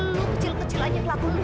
lu kecil kecil aja kelakuan lu